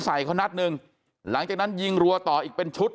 ใส่เขานัดหนึ่งหลังจากนั้นยิงรัวต่ออีกเป็นชุด